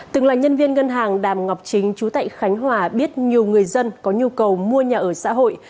từng là nhân viên ngân hàng đàm ngọc chính chú tại khánh hòa biết nhiều người dân có nhu cầu mua nhà ở xã hội